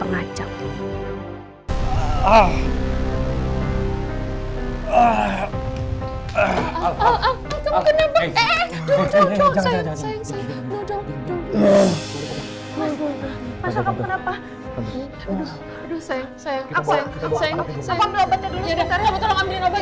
gigi sudah selesai